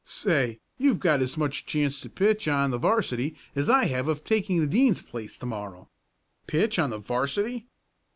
"Say, you've got as much chance to pitch on the 'varsity as I have of taking the Dean's place to morrow. Pitch on the 'varsity!